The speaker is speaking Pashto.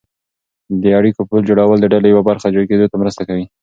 د اړیکو پل جوړول د ډلې یوه برخه کېدو ته مرسته کوي.